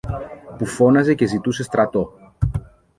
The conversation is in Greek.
που φώναζε και ζητούσε στρατό.